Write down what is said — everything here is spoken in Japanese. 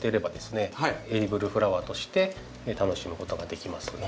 エディブルフラワーとして楽しむことができます。